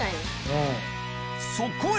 そこへ！